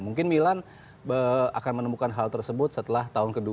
mungkin milan akan menemukan hal tersebut setelah tahun kedua